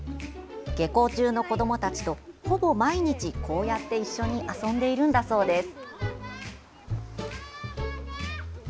下校中の子どもたちとほぼ毎日、こうやって一緒に遊んでいるんだそうです。